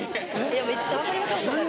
めっちゃ分かりますそれ。